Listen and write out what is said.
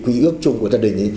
quy ước chung của gia đình